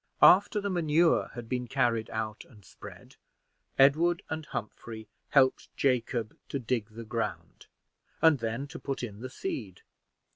After the manure had been carried out and spread, Edward and Humphrey helped Jacob to dig the ground, and then to put in the seed.